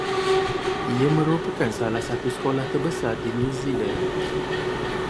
Ia merupakan salah satu sekolah terbesar di New Zealand